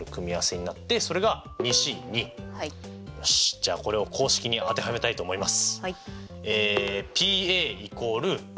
じゃあこれを公式に当てはめたいと思います。